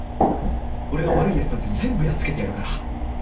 俺が悪いやつなんて全部やっつけてやるから